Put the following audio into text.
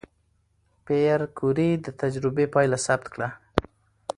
پېیر کوري د تجربې پایله ثبت کړه.